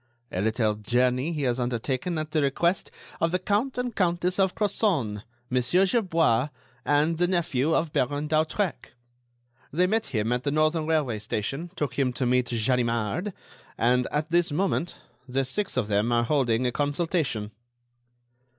"A little journey he has undertaken at the request of the Count and Countess of Crozon, Monsieur Gerbois, and the nephew of Baron d'Hautrec. They met him at the Northern Railway station, took him to meet Ganimard, and, at this moment, the six of them are holding a consultation."